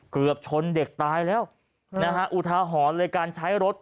เกือบชนเด็กตายแล้วนะฮะอุทาหรณ์เลยการใช้รถ